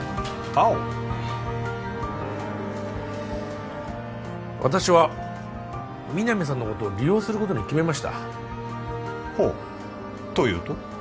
オー私は皆実さんのことを利用することに決めましたほおというと？